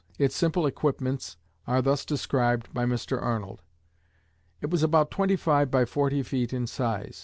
Its simple equipments are thus described by Mr. Arnold: "It was about twenty five by forty feet in size.